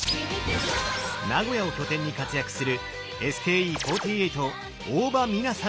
名古屋を拠点に活躍するＳＫＥ４８大場美奈さん。